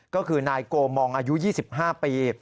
ก็คือนายโกมองอายุ๒๕ปี